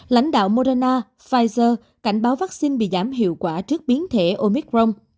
lãnh đạo moderna pfizer cảnh báo vắc xin bị giảm hiệu quả trước biến thể omicron